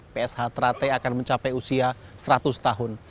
psht akan mencapai usia seratus tahun